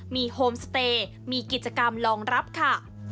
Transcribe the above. มีโฮมสเตย์มีกิจกรรมรองรับค่ะ